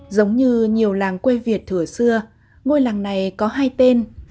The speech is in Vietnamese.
giống như nhiều làng quê việt thừa xưa ngôi làng này có hai tên